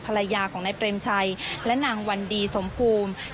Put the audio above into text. ภรรยาของนายเปรมชัยและนางวันดีสมภูมิ